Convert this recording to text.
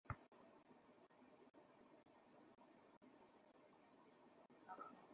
এক সময় তাদের উট ও ঘোড়া নিয়ন্ত্রণের বাইরে চলে যায়।